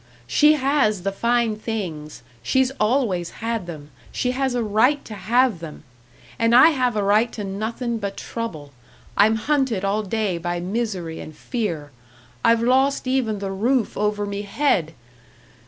_ She has the fine things, she's always had them, she has a right to have them! And I have a right to nothin' but trouble, I'm hunted all day by misery and fear, I've lost even the roof over me head!